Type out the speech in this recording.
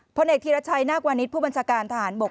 พลเอกธีรชัยนาควานิสผู้บัญชาการทหารบก